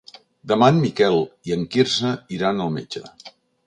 Demà en Miquel i en Quirze iran al metge.